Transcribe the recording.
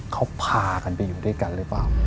เขาพากันไปอยู่ด้วยกันหรือเปล่า